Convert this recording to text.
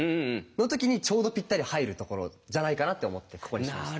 の時にちょうどぴったり入るところじゃないかなって思ってここにしました。